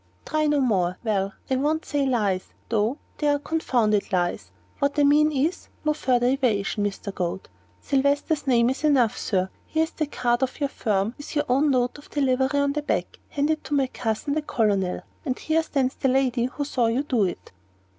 "Try no more well, I won't say lies, though they are confounded lies what I mean is, no further evasion, Mr. Goad. Sylvester's name is enough, Sir. Here is the card of your firm, with your own note of delivery on the back, handed by you to my cousin, the Colonel. And here stands the lady who saw you do it."